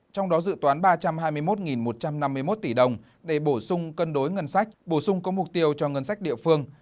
trong đó dự toán ba trăm hai mươi một một trăm năm mươi một tỷ đồng để bổ sung cân đối ngân sách bổ sung có mục tiêu cho ngân sách địa phương